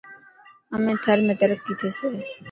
همي ٿر ۾ ترقي ٿيسي.